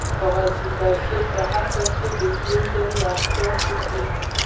کاغذي پیسې په اصل کې د سرو زرو استازي دي